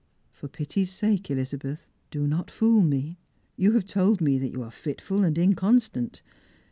" For pity's sake, Elizabeth, do not fool me ! You have told me that you are fitful and inconstant.